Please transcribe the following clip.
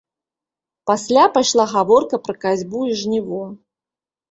Пасля пайшла гаворка пра касьбу і жніво.